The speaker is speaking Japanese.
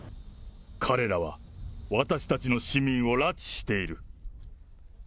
彼らは私たちの市民を拉致している。